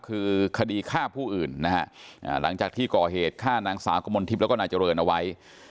คือคดีฆ่าผู้อื่นนะฮะหลังจากที่ก่อเหตุฆ่านางสาวกมลทิพย์แล้วก็นายเจริญเอาไว้